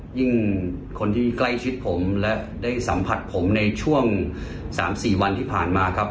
คนที่ใกล้ชิดผมและได้สัมผัสผมในช่วง๓๔วันที่ผ่านมาครับ